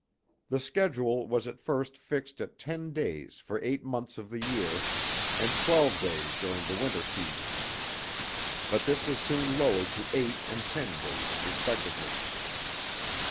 The schedule was at first fixed at ten days for eight months of the year and twelve days during the winter season, but this was soon lowered to eight and ten days respectively.